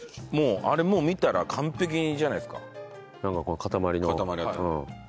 あれもう見たら完璧じゃないですか。